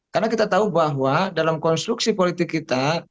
karena kita tahu bahwa dalam konstruksi politik kita